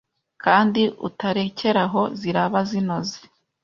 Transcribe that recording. kandi utarekeraho ziraba zinoze